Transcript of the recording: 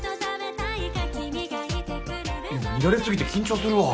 見られすぎて緊張するわ。